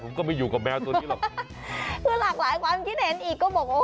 ผมก็ไม่อยู่กับแมวตัวนี้หรอกคือหลากหลายความคิดเห็นอีกก็บอกว่า